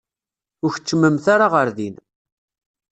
Ur keččmemt ara ɣer din.